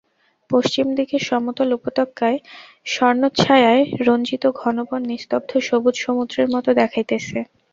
পশ্চিম দিকের সমতল উপত্যকায় স্বর্ণচ্ছায়ায় রঞ্জিত ঘন বন নিস্তব্ধ সবুজ সমুদ্রের মতো দেখাইতেছে।